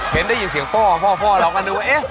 เห็นได้ยินเสียงพ่อพ่อเราก็นึกว่าเอ๊ะ